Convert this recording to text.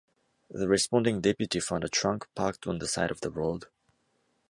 The responding deputy found a truck parked on the side of the road.